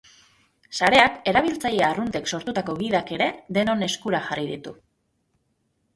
Sareak erabiltzaile arruntek sortutako gidak ere denon eskura jarri ditu.